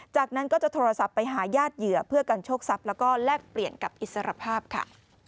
จากนั้นก็จะโทรศัพท์ไปหาญาติเหยื่อเพื่อกันโชคทรัพย์แล้วก็แลกเปลี่ยนกับอิสรภาพค่ะ